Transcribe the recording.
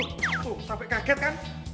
tuh sampai kaget kan